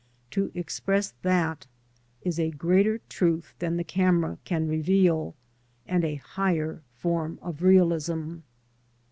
To express M^/, is a greater truth than the camera can reveal, and a higher form of realism.